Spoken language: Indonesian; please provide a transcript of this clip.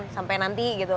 sampai nanti gitu